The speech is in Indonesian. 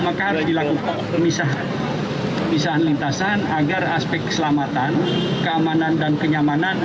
maka harus dilakukan pemisahan lintasan agar aspek keselamatan keamanan dan kenyamanan